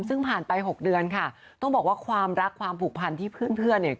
ซึ่งผ่านไป๖เดือนค่ะต้องบอกว่าความรักความผูกพันที่เพื่อนเนี่ย